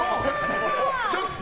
ちょっと！